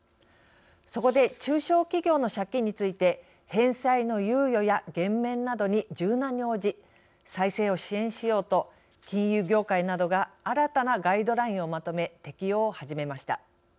そこで、中小企業の借金について返済の猶予や減免などに柔軟に応じ、再生を支援しようと金融業界などが新たなガイドラインをまとめ適用を始めました。